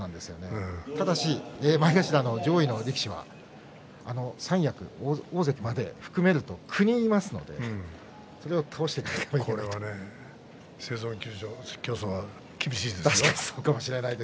ただし前頭上位の力士は三役、大関まで含めると９人いますのでそれを倒していかなければいけません。